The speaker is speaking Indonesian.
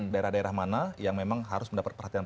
daerah daerah mana yang memang harus mendapat perhatian